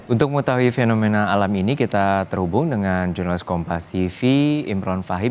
untuk mengetahui fenomena alam ini kita terhubung dengan jurnalis kompas cv imron fahim